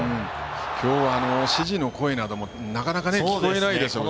今日は指示の声などもなかなか聞こえないでしょうしね。